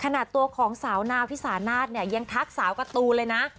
ขนาดตัวของสาวนาพิสานาศเนี่ยยังทักสาวการ์ตูนเลยนะ